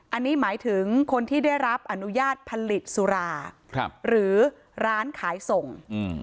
อันนี้หมายถึงคนที่ได้รับอนุญาตผลิตสุราหรือร้านขายส่ง